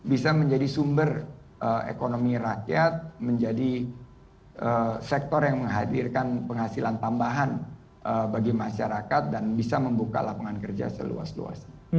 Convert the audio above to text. bisa menjadi sumber ekonomi rakyat menjadi sektor yang menghadirkan penghasilan tambahan bagi masyarakat dan bisa membuka lapangan kerja seluas luas